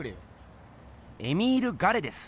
エミール・ガレです。